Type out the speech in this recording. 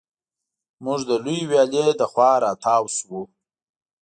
موږ د لویې ویالې له خوا را تاو شوو.